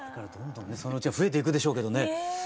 どんどんそのうちわ増えていくでしょうけどね